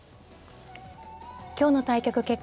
今日の対局結果です。